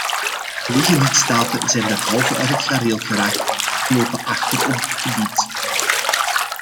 Negen lidstaten zijn derhalve uit het gareel geraakt en lopen achter op dit gebied.